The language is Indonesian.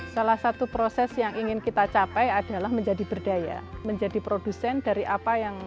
salah satu proses yang ingin kita capai adalah menjadi berdaya menjadi produsen dari apa yang